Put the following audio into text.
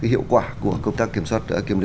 hiệu quả của công tác kiểm soát